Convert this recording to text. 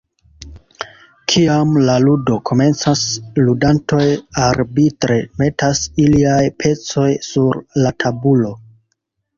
Kiam la ludo komencas, ludantoj arbitre metas iliaj pecoj sur la tabulo.